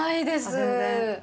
◆全然？